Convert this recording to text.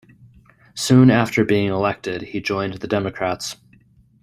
Soon after being elected, he joined the Democrats.